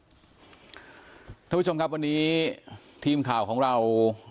คุณผู้ชมครับวันนี้ทีมข่าวของเรา